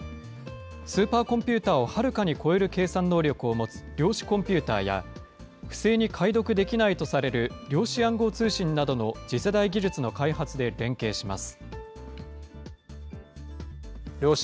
スーパーコンピューターをはるかに超える計算能力を持つ量子コンピューターや、不正に解読できないとされる量子暗号通信などの次世代技術の開発で連携します。